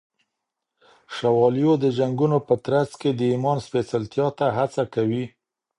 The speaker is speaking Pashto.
شوالیو د جنگونو په ترڅ کي د ایمان سپېڅلتیا ته هڅه کوي.